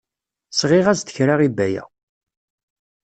Sɣiɣ-as-d kra i Baya.